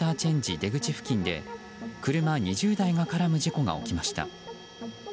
出口付近で車２０台が絡む事故が起きました。